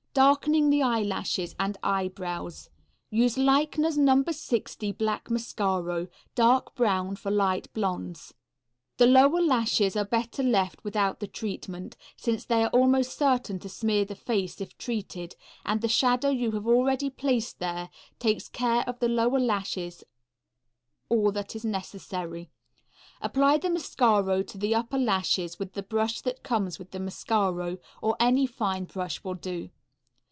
_ Darkening the eyelashes and eyebrows. Use Leichner's No. 60 black mascaro; dark brown for light blondes. The lower lashes are better left without the treatment, since they are almost certain to smear the face if treated, and the shadow you have already placed there takes care of the lower lashes all that is necessary. Apply the mascaro to the upper lashes with the brush that comes with the mascaro, or any fine brush will do.